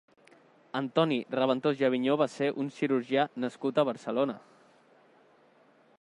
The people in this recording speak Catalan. Antoni Raventós i Aviñó va ser un cirurgià nascut a Barcelona.